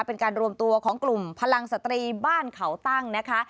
เป็นการรวมตัวของกลุ่มพลังสตรีบ้านเขาตั้งนะคะ